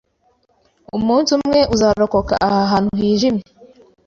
Umunsi umwe uzarokoka aha hantu hijimye